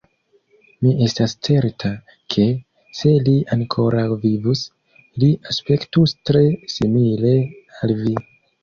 Mi estas certa, ke, se li ankoraŭ vivus, li aspektus tre simile al vi.